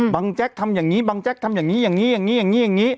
แจ๊กทำอย่างนี้บางแจ๊กทำอย่างนี้อย่างนี้อย่างนี้อย่างนี้อย่างนี้อย่างนี้